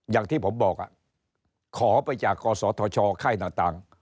อย่างที่ผมบอกขอไปจากกศธชค่ายหน้าต่าง